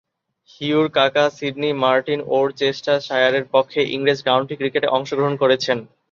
হিউ’র কাকা Sydney Martin ওরচেস্টারশায়ারের পক্ষে ইংরেজ কাউন্টি ক্রিকেটে অংশগ্রহণ করেছেন।